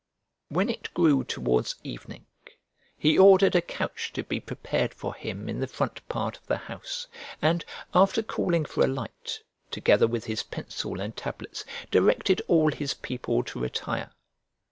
When it grew towards evening, he ordered a couch to be prepared for him in the front part of the house, and, after calling for a light, together with his pencil and tablets, directed all his people to retire.